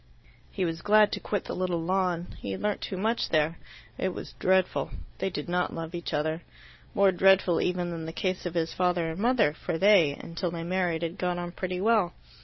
He was glad to quit the little lawn. He had learnt too much there. It was dreadful: they did not love each other. More dreadful even than the case of his father and mother, for they, until they married, had got on pretty well.